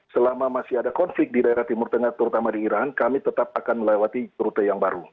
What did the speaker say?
selama masih ada konflik di daerah timur tengah terutama di iran kami tetap akan melewati rute yang baru